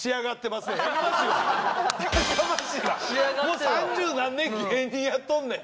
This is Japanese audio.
もう三十何年芸人やっとんねん！